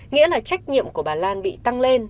nghĩa là trách nhiệm của bà lan bị tăng lên